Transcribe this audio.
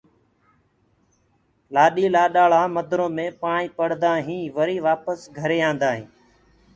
لآڏي لآڏآ مندرو مي پائينٚ پڙدآ هينٚ وري وآپس گھري آندآ هينٚ